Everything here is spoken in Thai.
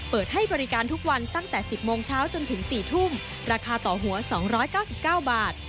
เปิดให้บริการทุกวันตั้งแต่๑๐โมงเช้าจนถึง๔ทุ่มราคาต่อหัว๒๙๙บาท